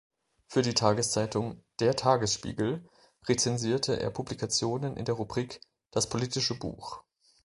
Für die Tageszeitung "Der Tagesspiegel" rezensierte er Publikationen in der Rubrik "Das Politische Buch".